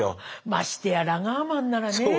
ましてやラガーマンならね！